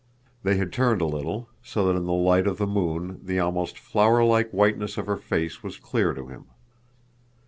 They had turned a little, so that in the light of the moon the almost flowerlike whiteness of her face was clear to him.